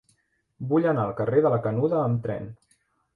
Vull anar al carrer de la Canuda amb tren.